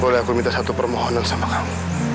boleh aku minta satu permohonan sama kamu